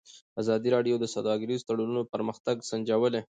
ازادي راډیو د سوداګریز تړونونه پرمختګ سنجولی.